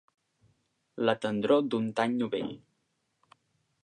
La tendror d'un tany novell.